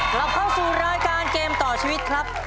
กลับเข้าสู่รายการเกมต่อชีวิตครับ